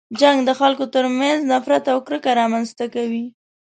جنګ د خلکو تر منځ نفرت او کرکه رامنځته کوي.